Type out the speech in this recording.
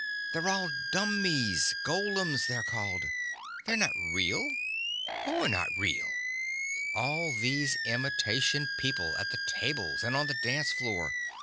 "They're all dummies; golems, they're called. They're not real." "Who're not real?" "All these imitation people at the tables and on the dance floor.